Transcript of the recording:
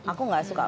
aku gak suka